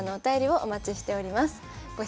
お待ちしております。